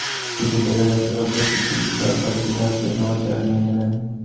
Ticket দেখার দায়িত্বপ্রাপ্ত TTE সব যাত্রীর কাছ থেকে নগদ টাকা নিয়ে নিলেন।